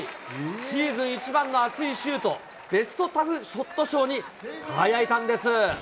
シーズン一番の熱いシュート、ベストタフショット賞に輝いたんです。